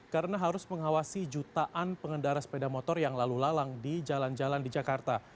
karena harus mengawasi jutaan pengendara sepeda motor yang lalu lalang di jalan jalan di jakarta